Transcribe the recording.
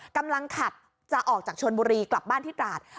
กำลังขับจะออกจากชนบุรีกลับบ้านที่ตราด